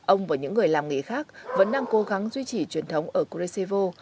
ông và những người làm nghề khác vẫn đang cố gắng duy trì truyền thống ở kuresevo